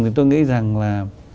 thì tôi nghĩ rằng là